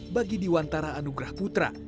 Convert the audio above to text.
bagi diwantara anugrah putra